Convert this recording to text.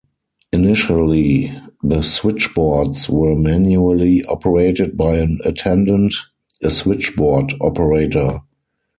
Initially the switchboards were manually operated by an attendant, a "switchboard operator".